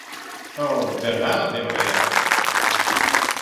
Oh, verrà la primavera!